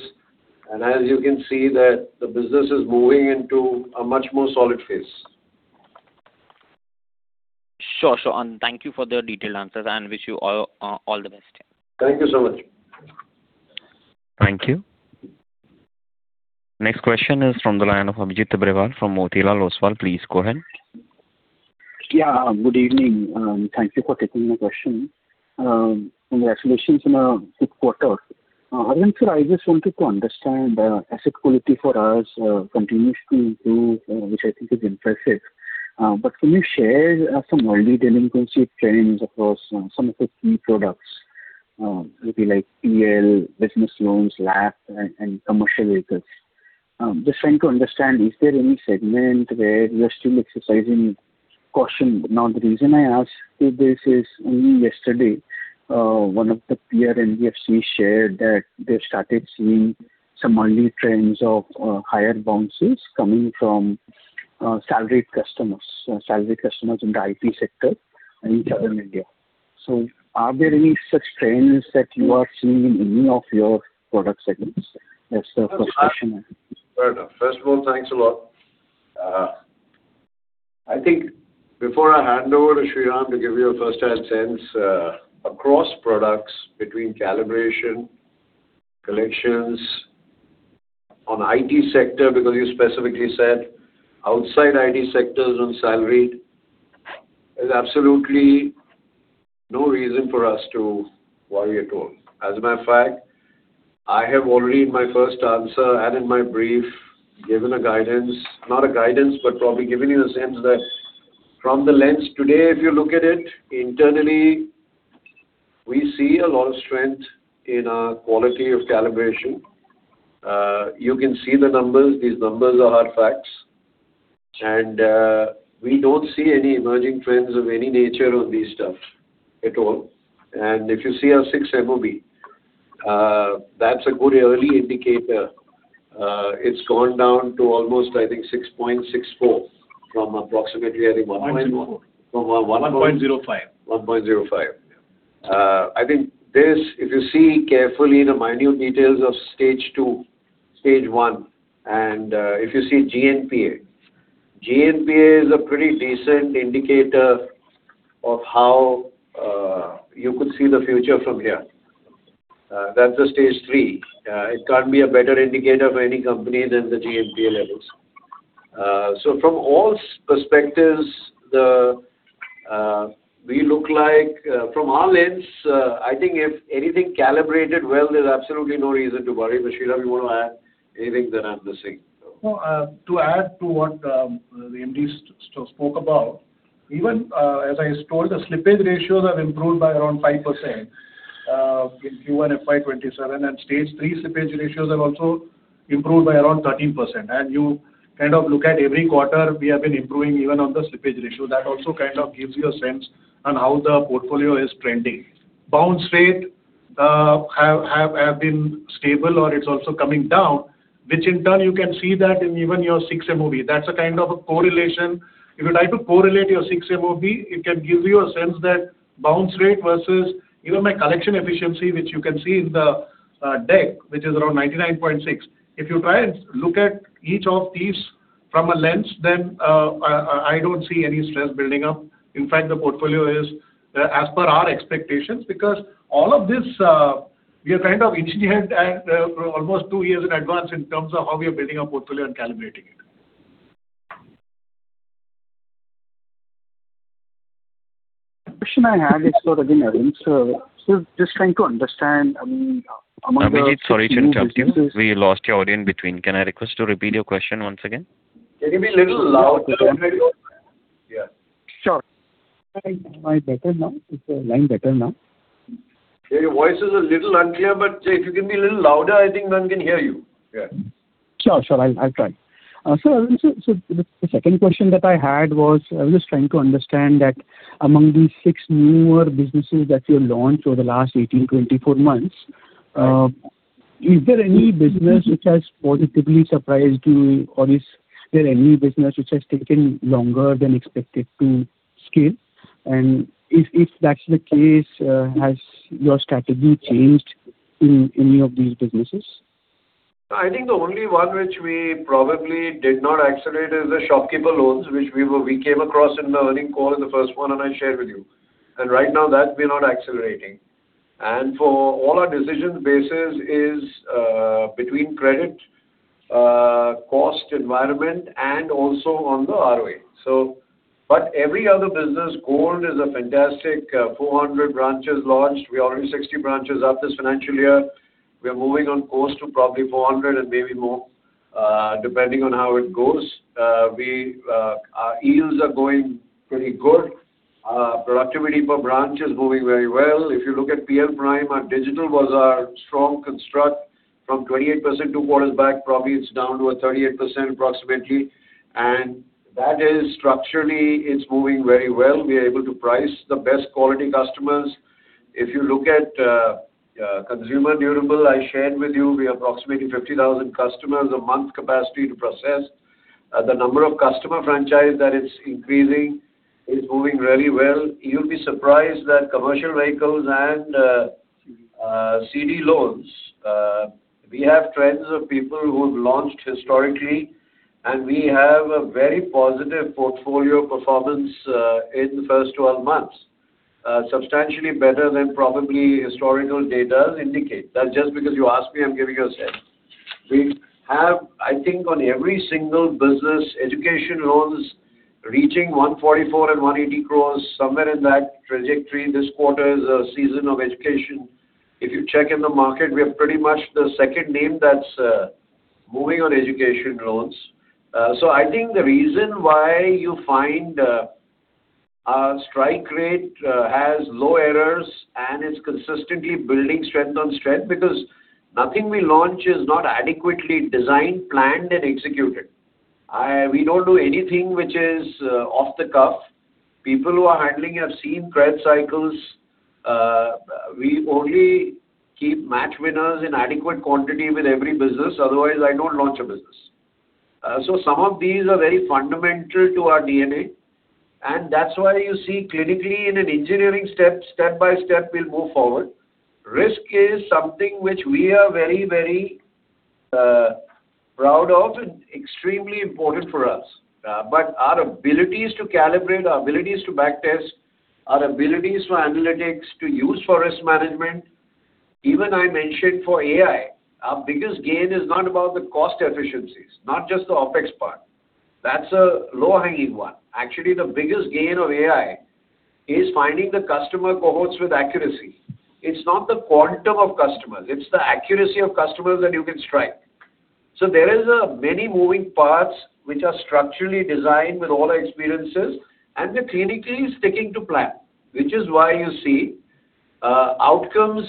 and as you can see that the business is moving into a much more solid phase. Sure. Thank you for the detailed answers and wish you all the best. Yeah. Thank you so much. Thank you. Next question is from the line of Abhijit Tibrewal from Motilal Oswal. Please go ahead. Good evening. Thank you for taking my question. Congratulations on a good quarter. Arvind, sir, I just wanted to understand, asset quality for us continues to improve, which I think is impressive. Can you share some early delinquency trends across some of the key products? It could be like PL, Business Loan, LAP, and Commercial Vehicle Loan. Just trying to understand, is there any segment where you are still exercising caution? The reason I ask this is only yesterday, one of the peer shared that they've started seeing some early trends of higher bounces coming from salaried customers in the IT sector and in southern India. Are there any such trends that you are seeing in any of your product segments? That's the first question I have. Fair enough. First of all, thanks a lot. I think before I hand over to Shriram to give you a firsthand sense, across products between calibration, collections on IT sector, because you specifically said outside IT sectors on salaried, there's absolutely no reason for us to worry at all. As a matter of fact, I have already in my first answer and in my brief, given a guidance. Not a guidance, but probably given you the sense that from the lens today, if you look at it internally, we see a lot of strength in our quality of calibration. You can see the numbers. These numbers are hard facts. We don't see any emerging trends of any nature on this stuff at all. If you see our 6MOB, that's a good early indicator. It's gone down to almost, I think, 6.64% from approximately, I think 1.1%. 1.05%. I think this, if you see carefully the minute details of Stage 2, Stage 1, and if you see GNPA. GNPA is a pretty decent indicator of how you could see the future from here. That's the Stage 3. It can't be a better indicator for any company than the GNPA levels. From all perspectives, from our lens, I think if anything calibrated well, there's absolutely no reason to worry. Shriram, you want to add anything that I'm missing? No. To add to what the MD spoke about, even as I told, the slippage ratios have improved by around 5% in Q1 FY 2027, and Stage 3 slippage ratios have also improved by around 13%. You kind of look at every quarter we have been improving even on the slippage ratio. That also kind of gives you a sense on how the portfolio is trending. Bounce rate have been stable or it's also coming down, which in turn you can see that in even your 6MOB. That's a kind of a correlation. If you try to correlate your 6MOB, it can give you a sense that bounce rate versus even my collection efficiency, which you can see in the deck, which is around 99.6%. If you try and look at each of these from a lens, then I don't see any stress building up. In fact, the portfolio is as per our expectations because all of this, we have kind of engineered at for almost two years in advance in terms of how we are building our portfolio and calibrating it. The question I had is sort of in, Arvind, sir. Abhijit, sorry to interrupt you. We lost your audio in between. Can I request to repeat your question once again? Can you be a little louder on the radio? Yeah. Sure. Am I better now? Is the line better now? Yeah, your voice is a little unclear. If you can be a little louder, I think then we can hear you. Yeah. Sure. I'll try. The second question that I had was, I was just trying to understand that among these six newer businesses that you launched over the last 18-24 months, is there any business which has positively surprised you, or is there any business which has taken longer than expected to scale? If that's the case, has your strategy changed in any of these businesses? I think the only one which we probably did not accelerate is the shopkeeper loans, which we came across in the earning call in the first one, and I shared with you. Right now that we're not accelerating. For all our decision basis is between credit, cost environment, and also on the ROA. Every other business, gold is a fantastic 400 branches launched. We are opening 60 branches up this financial year. We are moving on course to probably 400 and maybe more, depending on how it goes. Our yields are going pretty good. Productivity per branch is moving very well. If you look at PL Prime, our digital was our strong construct from 28% two quarters back, probably it's down to a 38% approximately. That is structurally, it's moving very well. We are able to price the best quality customers. If you look at Consumer Durable, I shared with you, we have approximately 50,000 customers a month capacity to process. The number of customer franchise that is increasing is moving very well. You'll be surprised that Commercial Vehicles and CD loans, we have trends of people who have launched historically, and we have a very positive portfolio performance, in the first 12 months. Substantially better than probably historical data indicate. That's just because you asked me, I'm giving you a sense. I think on every single business, education loans reaching 144 crore and 180 crore, somewhere in that trajectory. This quarter is a season of education. If you check in the market, we are pretty much the second name that's moving on education loans. I think the reason why you find our strike rate has low errors and is consistently building strength on strength because nothing we launch is not adequately designed, planned and executed. We don't do anything which is off the cuff. People who are handling have seen credit cycles. We only keep match winners in adequate quantity with every business. Otherwise, I don't launch a business. Some of these are very fundamental to our DNA, and that's why you see clinically in an engineering step by step, we'll move forward. Risk is something which we are very, very proud of and extremely important for us. Our abilities to calibrate, our abilities to back test, our abilities for analytics to use for risk management. Even I mentioned for AI, our biggest gain is not about the cost efficiencies, not just the OpEx part. That's a low-hanging one. The biggest gain of AI is finding the customer cohorts with accuracy. It's not the quantum of customers, it's the accuracy of customers that you can strike. There are many moving parts which are structurally designed with all our experiences, and we're clinically sticking to plan. Which is why you see outcomes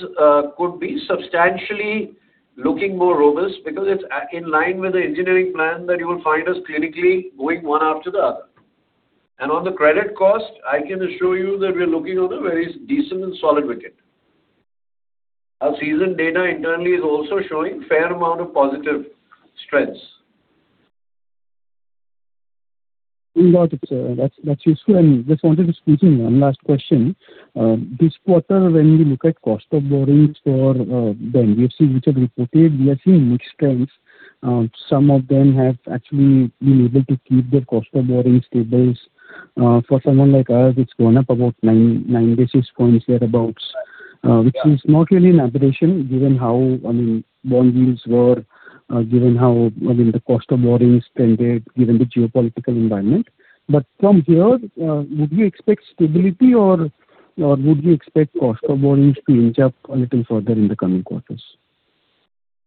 could be substantially looking more robust because it's in line with the engineering plan that you will find us clinically going one after the other. On the credit cost, I can assure you that we're looking on a very decent and solid wicket. Our seasoned data internally is also showing fair amount of positive strengths. Got it, sir. That's useful and just wanted to squeeze in one last question. This quarter, when we look at cost of borrowings for the NBFC which have reported, we are seeing mixed trends. Some of them have actually been able to keep their cost of borrowings stable. For someone like us, it's gone up about 9 basis points thereabout, which is not really an aberration given how bond yields were, given how, I mean, the cost of borrowings tended given the geopolitical environment. From here, would we expect stability or would we expect cost of borrowings to inch up a little further in the coming quarters?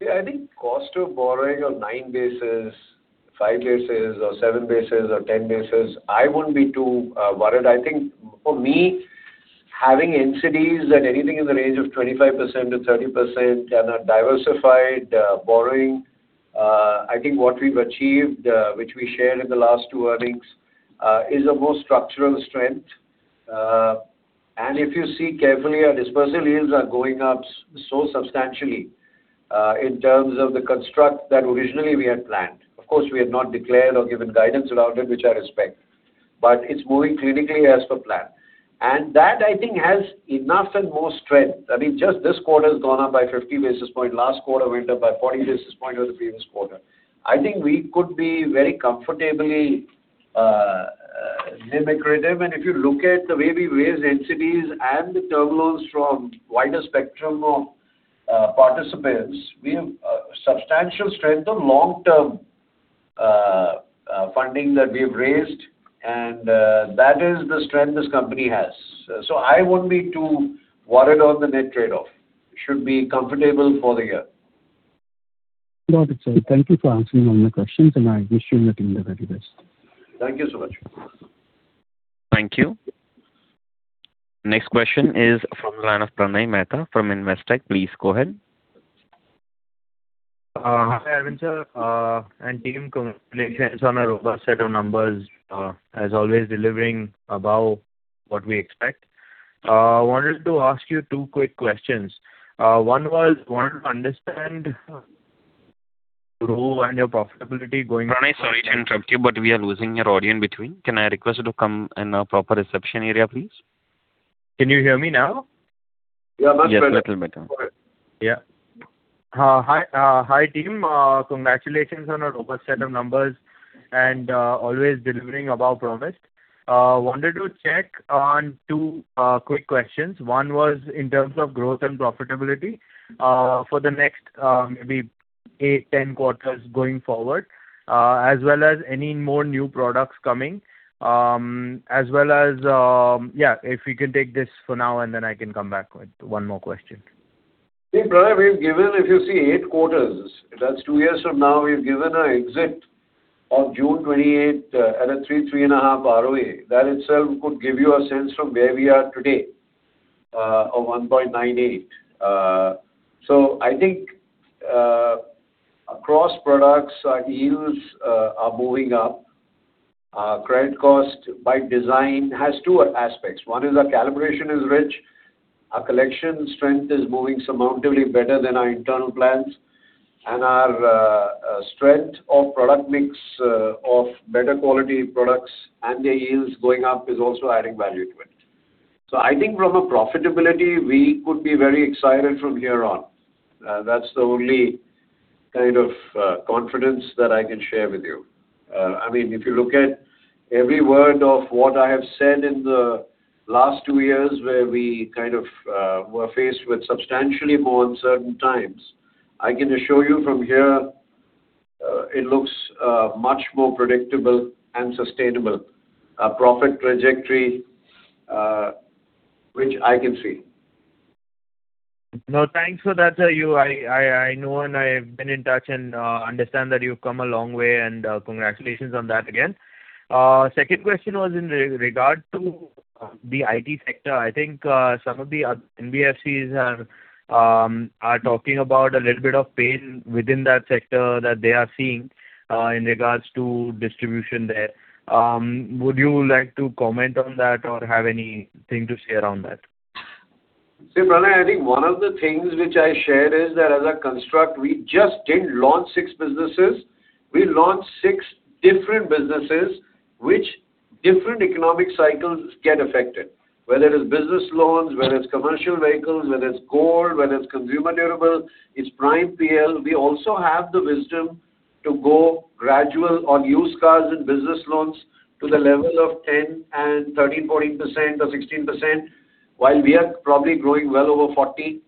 I think cost of borrowing of 9 basis points, 5 basis points or 7 basis points or 10 basis points, I wouldn't be too worried. I think for me, having NCDs at anything in the range of 25%-30% and a diversified borrowing, I think what we've achieved, which we shared in the last two earnings, is a more structural strength. If you see carefully, our dispersal yields are going up so substantially, in terms of the construct that originally we had planned. Of course, we had not declared or given guidance around it, which I respect. It's moving clinically as per plan. That I think has enough and more strength. I mean, just this quarter has gone up by 50 basis point, last quarter went up by 40 basis point over the previous quarter. I think we could be very comfortably NIM accrete them. If you look at the way we raise NCDs and the term loans from wider spectrum of participants, we have substantial strength of long-term funding that we have raised, and that is the strength this company has. I wouldn't be too worried on the net trade-off. Should be comfortable for the year. Got it, sir. Thank you for answering all my questions, and I wish you and your team the very best. Thank you so much. Thank you. Next question is from the line of Pranay Mehta from Investec. Please go ahead. Hi, Arvind sir and team. Congratulations on a robust set of numbers. As always, delivering above what we expect. Wanted to ask you two quick questions. One was want to understand growth and your profitability going- Pranay, sorry to interrupt you, we are losing your audio in between. Can I request you to come in a proper reception area, please? Can you hear me now? Yeah, much better. Yes, little better. Hi, team. Congratulations on a robust set of numbers and always delivering above promise. Wanted to check on two quick questions. One was in terms of growth and profitability for the next maybe eight, 10 quarters going forward, as well as any more new products coming, as well as Yeah, if we can take this for now, and then I can come back with one more question. See, Pranay, we've given, if you see eight quarters, that's two years from now, we've given an exit of June 2028 at a 3%-3.5% ROA. That itself could give you a sense from where we are today, of 1.98%. I think across products, our yields are moving up. Our credit cost by design has two aspects. One is our calibration is rich, our collection strength is moving substantially better than our internal plans, and our strength of product mix of better quality products and the yields going up is also adding value to it. I think from a profitability, we could be very excited from here on. That's the only kind of confidence that I can share with you. If you look at every word of what I have said in the last two years, where we kind of were faced with substantially more uncertain times, I can assure you from here it looks much more predictable and sustainable, a profit trajectory which I can see. Thanks for that, sir. I know and I've been in touch and understand that you've come a long way and congratulations on that again. Second question was in regard to the IT sector. I think some of the NBFCs are talking about a little bit of pain within that sector that they are seeing in regards to distribution there. Would you like to comment on that or have anything to say around that? Pranay, I think one of the things which I shared is that as a construct, we just didn't launch six businesses. We launched six different businesses which different economic cycles get affected. Whether it's business loans, whether it's commercial vehicles, whether it's gold, whether it's consumer durable, it's Prime PL. We also have the wisdom to go gradual on used cars and business loans to the level of 10 and 13, 14% or 16%, while we are probably growing well over 40%.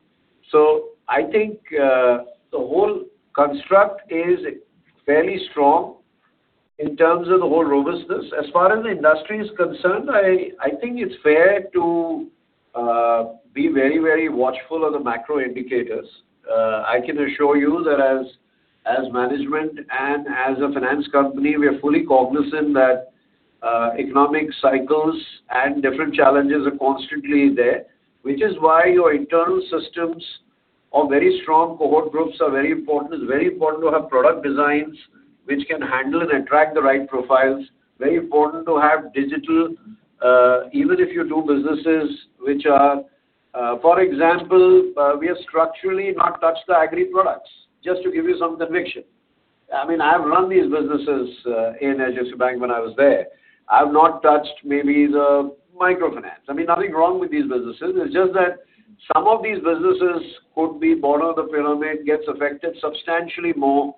I think the whole construct is fairly strong in terms of the whole robustness. As far as the industry is concerned, I think it's fair to be very, very watchful of the macro indicators. I can assure you that as management and as a finance company, we are fully cognizant that economic cycles and different challenges are constantly there, which is why your internal systems of very strong cohort groups are very important. It's very important to have product designs which can handle and attract the right profiles. Very important to have digital, even if you do businesses which are, for example we have structurally not touched the agri products. Just to give you some conviction. I have run these businesses in HDFC Bank when I was there. I've not touched maybe the microfinance. Nothing wrong with these businesses. It's just that some of these businesses could be border of the pyramid, gets affected substantially more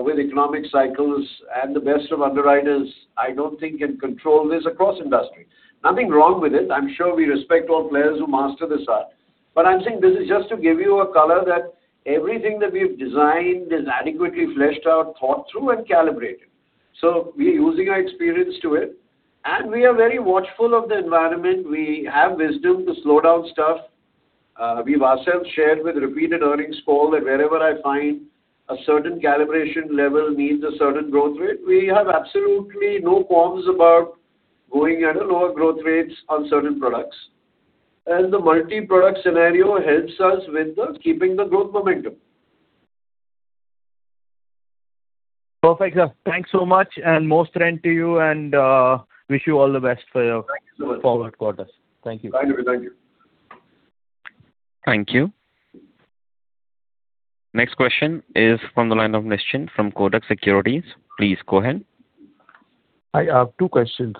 with economic cycles and the best of underwriters I don't think can control this across industry. Nothing wrong with it. I'm sure we respect all players who master this art. I'm saying this is just to give you a color that everything that we've designed is adequately fleshed out, thought through, and calibrated. We are using our experience to it, and we are very watchful of the environment. We have wisdom to slow down stuff. We've ourselves shared with repeated earnings call that wherever I find a certain calibration level needs a certain growth rate, we have absolutely no qualms about going at a lower growth rates on certain products. The multi-product scenario helps us with keeping the growth momentum. Perfect, sir. Thanks so much and more strength to you and wish you all the best for your- Thank you so much. Forward quarters. Thank you. Thank you. Thank you. Next question is from the line of Nischint from Kotak Securities. Please go ahead. I have two questions.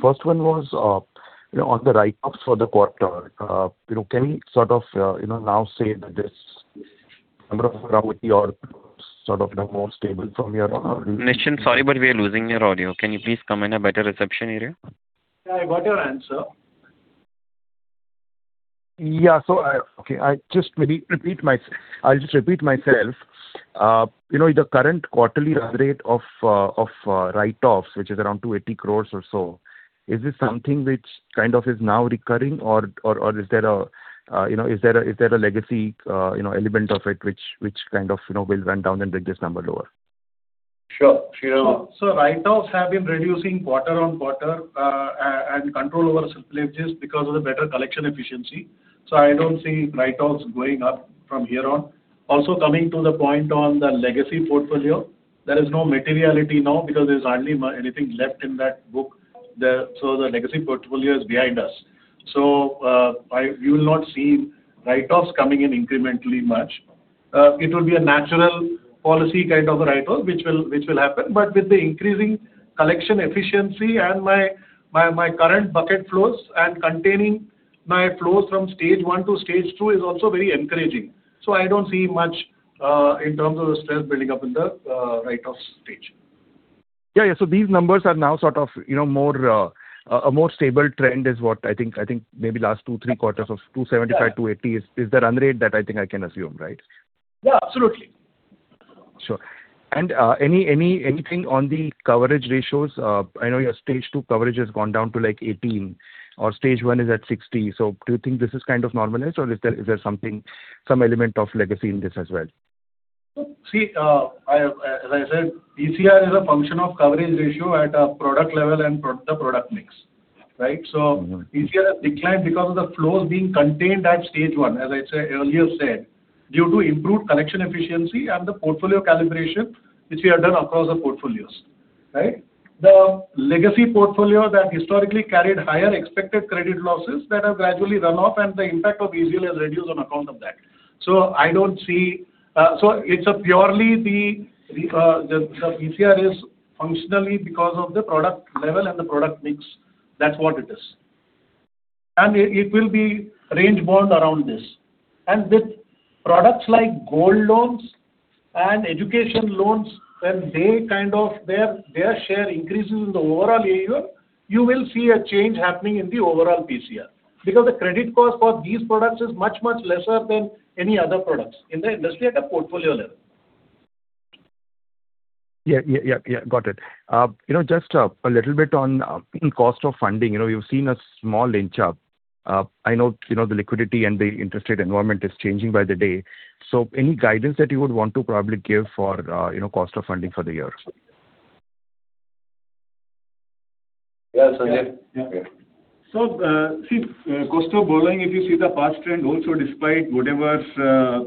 First one was, on the write-offs for the quarter, can we sort of now say that this number of would be your sort of more stable from here on or- Nischint, sorry, but we are losing your audio. Can you please come in a better reception area? Yeah, I got your answer. Yeah. Okay, I'll just repeat myself. The current quarterly run-rate of write-offs, which is around 280 crores or so, is this something which is now recurring or is there a legacy element of it which will run down and bring this number lower? Sure. Write-offs have been reducing quarter-on-quarter. Control over because of the better collection efficiencies. So i don't see write-offs going up from here on. Also going to the point on the legacy portfolio so the legacy portfolio is behind us. We will not see write-offs coming in incrementally much. It will be a natural policy kind of a write-off which will happen collection effiencies. And my current bucket flows containing my flow from Stage 1 to Stage 2 which is also very encouraging so i don't see much in terms of so these numbers are more of a stable trend within the last two, three quarters Got it. Just a little bit on cost of funding. We've seen a small inch up. I know the liquidity and the interest rate environment is changing by the day. Any guidance that you would want to probably give for cost of funding for the year? Yeah, Sanjay. Cost of borrowing, if you see the past trend also despite whatever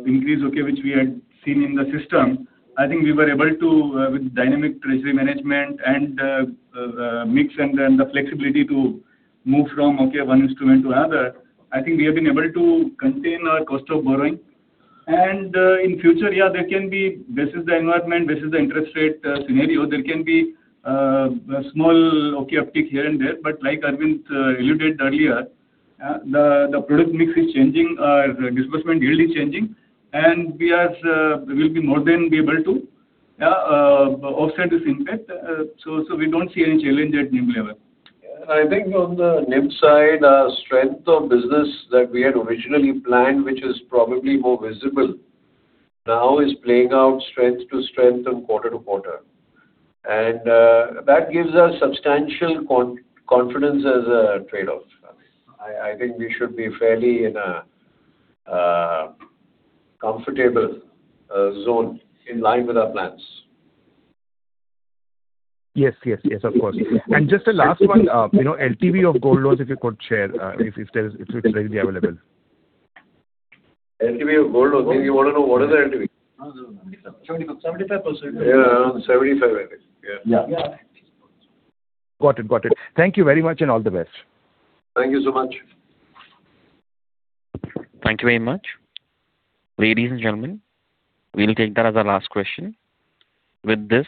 increase which we had seen in the system, I think we were able to with dynamic treasury management and the mix and the flexibility to move from one instrument to other, I think we have been able to contain our cost of borrowing. In future, this is the environment, this is the interest rate scenario, there can be a small uptick here and there. Like Arvind alluded earlier, the product mix is changing, our disbursement yield is changing, and we will be more than able to offset this impact. We don't see any challenge at NIM level. I think on the NIM side, our strength of business that we had originally planned, which is probably more visible now, is playing out strength to strength and quarter-to-quarter. That gives us substantial confidence as a trade-off. I think we should be fairly in a comfortable zone in line with our plans. Yes, of course. Just the last one, LTV of gold loans, if you could share if it's readily available. LTV of gold loans. You want to know what is the LTV? 75%. Yeah, around 75%, I think. Got it. Thank you very much and all the best. Thank you so much. Thank you very much. Ladies and gentlemen, we will take that as our last question. With this,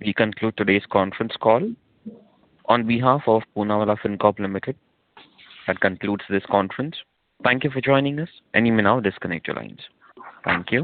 we conclude today's conference call. On behalf of Poonawalla Fincorp Limited, that concludes this conference. Thank you for joining us and you may now disconnect your lines. Thank you.